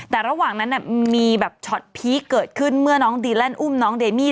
แต่ระหว่างนั้นมีแบบช็อตพีคเกิดขึ้นเมื่อน้องดีแลนด์อุ้มน้องเดมี่